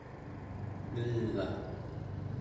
ngel'aᵉ